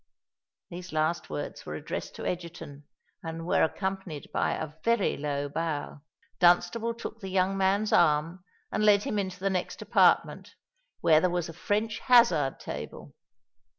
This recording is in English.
These last words were addressed to Egerton, and were accompanied by a very low bow. Dunstable took the young man's arm, and led him into the next apartment, where there was a French hazard table.